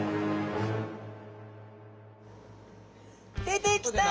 出てきた！